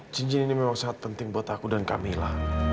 cincin ini memang sangat penting buat aku dan camilla